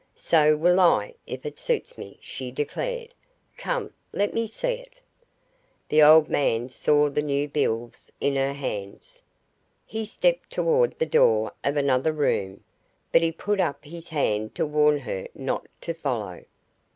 "So will I, if it suits me," she declared. "Come, let me see it." The old man saw the new bills in her hands, He stepped toward the door of another room, but he put up his hand to warn her not to follow.